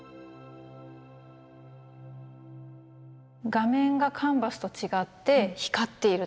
画面がカンバスと違って光っているということです。